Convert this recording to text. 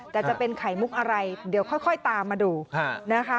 แต่จะเป็นไข่มุกอะไรเดี๋ยวค่อยตามมาดูนะคะ